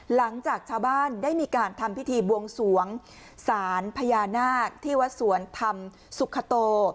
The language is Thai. หลังจากชาวบ้านได้มีการทำพิธีบวงสวงสารพญานาคที่วัดสวนธรรมสุขโต